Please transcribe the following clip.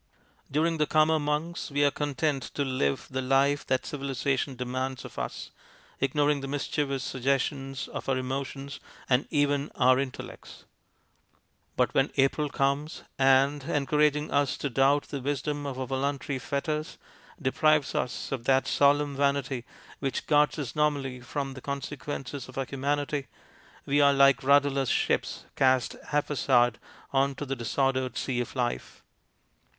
During the calmer months we are content to live the life that civilization demands of us, ignoring the mis chievous suggestions of our emotions and even of our intellects. But when April 202 MONOLOGUES comes, and, encouraging us to doubt the wisdom of our voluntary fetters, deprives us of that solemn vanity which guards us normally from the consequences of our humanity, we are like rudderless ships cast haphazard on to the disordered sea of life.